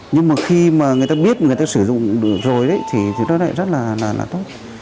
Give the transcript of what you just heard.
nhưng mà khi mà người ta biết người ta sử dụng rồi đấy thì nó lại rất là tốt